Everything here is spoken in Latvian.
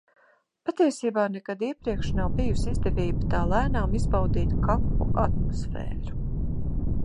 Patiesībā nekad iepriekš nav bijusi izdevība tā lēnām izbaudīt kapu atmosfēru.